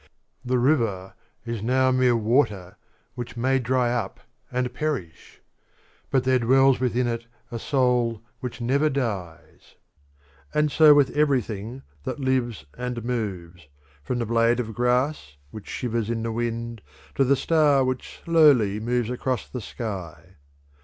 The river is not mere water which may dry up and perish, but there dwells within it a soul which never dies; and so with everything that lives and moves, from the blade of grass which shivers in the wind to the star which slowly moves across the sky.